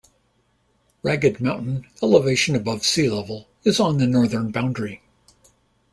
Ragged Mountain, elevation above sea level, is on the northern boundary.